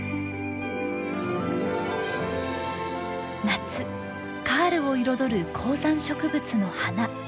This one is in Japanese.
夏カールを彩る高山植物の花。